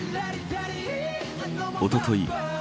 おととい